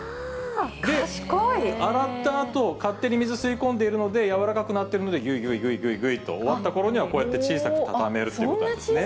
洗ったあと、勝手に水吸い込んでいるので、柔らかくなっているので、ぐいぐいぐいぐいと、終わったころにはこうやって小さくたためるということなんですね。